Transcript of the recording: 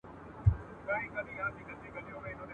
د نصیب تږی پیدا یم له خُمار سره مي ژوند دی !.